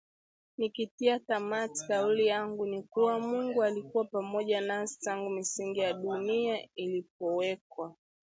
Nikitia tamati, kauli yangu ni kuwa Mungu alikuwa pamoja nasi tangu misingi ya dunia ilipowekwa